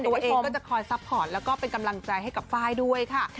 ตัวเองก็จะคอยซัพพอร์ตแล้วก็เป็นกำลังใจให้กับไฟล์ด้วยค่ะ